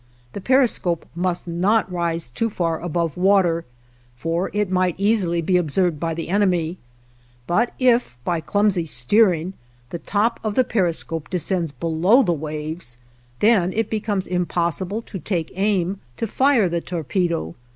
The periscope must not rise too far above water, for it might easily be observed by the enemy; but if, by clumsy steering, the top of the periscope descends below the waves, then it becomes impossible to take aim to fire the torpedo.